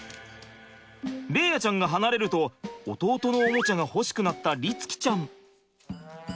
伶哉ちゃんが離れると弟のおもちゃが欲しくなった律貴ちゃん。